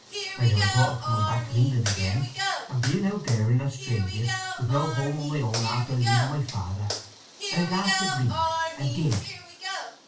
I never thought of coming back to England again; and being out there in Australia, with no home of my own after leaving my father, I at last agreed, and did."